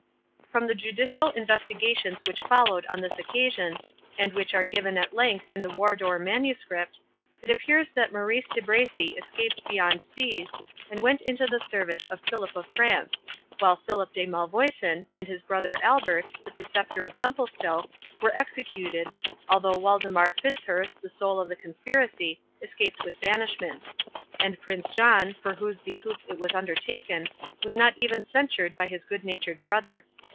From the judicial investigations which followed on this occasion, and which are given at length in the Wardour Manuscript, it appears that Maurice de Bracy escaped beyond seas, and went into the service of Philip of France; while Philip de Malvoisin, and his brother Albert, the Preceptor of Templestowe, were executed, although Waldemar Fitzurse, the soul of the conspiracy, escaped with banishment; and Prince John, for whose behoof it was undertaken, was not even censured by his good natured brother.